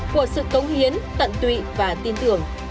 của sự cống hiến tận tụy và tin tưởng